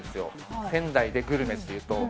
仙台でグルメっていうと。